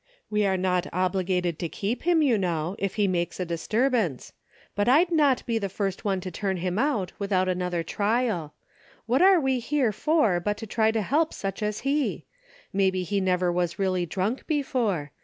We are not obliged to keep him, you know, if he makes a disturbance. But I'd not be the first one to turn him out without an other trial. What are we here for but to try to help such as he? Maybe he never was really drunk before.